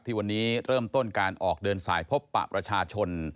วันนี้เริ่มต้นการออกเดินสายพบปะประชาชน